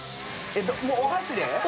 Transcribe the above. お箸で？